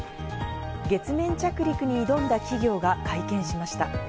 月面着陸に挑んだ企業が会見しました。